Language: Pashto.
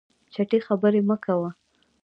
چټي خبري مه کوه !